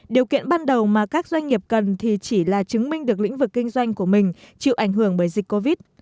điều kiện ban đầu mà các doanh nghiệp cần thì chỉ là chứng minh được lĩnh vực kinh doanh của mình chịu ảnh hưởng bởi dịch covid